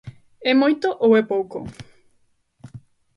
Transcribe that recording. ¿É moito ou é pouco?